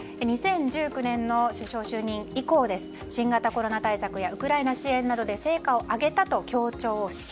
２０１９年の首相就任以降です新型コロナウイルスの対策やウクライナ支援などで成果を上げたと強調し